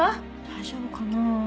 大丈夫かな？